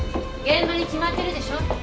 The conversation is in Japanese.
現場に決まってるでしょ。